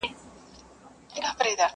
نه چاره یې په دارو درمل کېدله٫